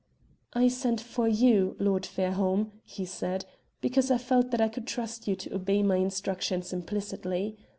"I sent for you, Lord Fairholme," he said, "because I felt that I could trust you to obey my instructions implicitly.